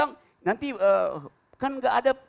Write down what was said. nanti kan gak ada